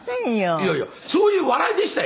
いやいやそういう笑いでしたよ。